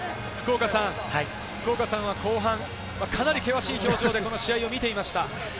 福岡さん、後半、かなり険しい表情で試合を見ていました。